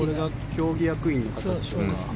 競技役員の方でしょうか。